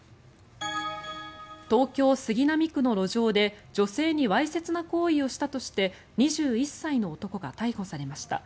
東京・杉並区の路上で、女性にわいせつな行為をしたとして２１歳の男が逮捕されました。